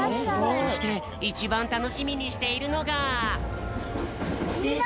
そしていちばんたのしみにしているのが。